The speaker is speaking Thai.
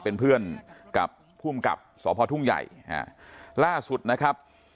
เป็นเพื่อนกับภูมิกับสพทุ่งใหญ่ล่าสุดนะครับ